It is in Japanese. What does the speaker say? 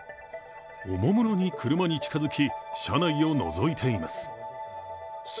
おもむろに車に近づき車内をのぞいています。